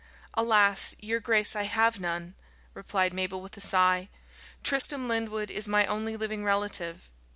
"Alas! your grace, I have none," replied Mabel with a sigh. "Tristram Lyndwood is my only living relative.